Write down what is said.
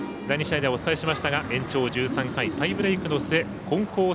第２試合でお伝えしましたが延長１３回、タイブレークの末金光